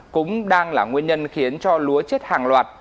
cũng đang là nguyên nhân khiến cho lúa chết hàng loạt